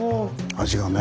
味がね。